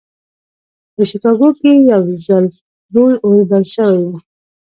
په شيکاګو کې يو ځل لوی اور بل شوی و.